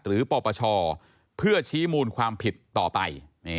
ปปชเพื่อชี้มูลความผิดต่อไป